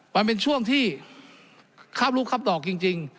มันเป็นช่วงที่คาบลูกคับดอกจริง